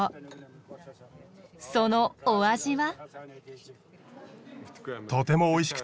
そのお味は？